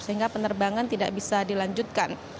sehingga penerbangan tidak bisa dilanjutkan